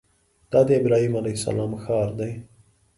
دا د ابراهیم علیه السلام ښار دی.